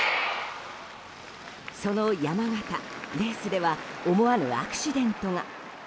その山縣、レースでは思わぬアクシデントが。